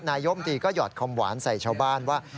นายมตีก็หยอดคำหวานใส่ชาวบ้านว่า